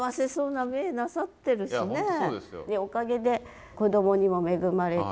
おかげて子どもにも恵まれて４人。